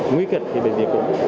nguy kịch thì bệnh viện cũng